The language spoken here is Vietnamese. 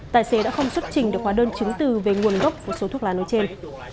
tài xế đã không xuất trình được hóa đơn chứng từ về nguồn gốc của số thuốc lá nói trên